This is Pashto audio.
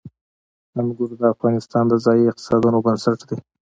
انګور د افغانستان د ځایي اقتصادونو بنسټ دی.